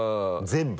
全部？